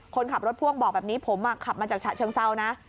คนขับรถพ่วงบอกแบบนี้ผมขับมาจากฉะเชิงเซานะ